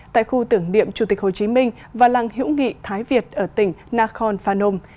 tại khu tưởng điệm chủ tịch hồ chí minh và làng hữu nghị thái việt ở tỉnh nakhon phanom